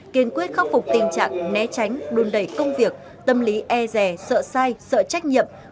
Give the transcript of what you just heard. kiên quyết khắc phục tình trạng né tránh đun đẩy công việc tâm lý e rè sợ sai sợ trách nhiệm